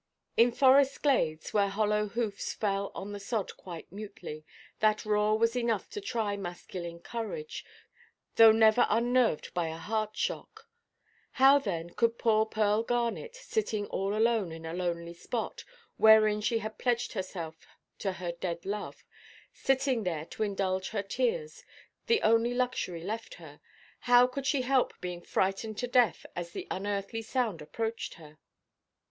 In forest glades, where hollow hoofs fell on the sod quite mutely, that roar was enough to try masculine courage, though never unnerved by a heart–shock. How then could poor Pearl Garnet, sitting all alone, in a lonely spot, wherein she had pledged herself to her dead love, sitting there to indulge her tears, the only luxury left her—how could she help being frightened to death as the unearthly sound approached her?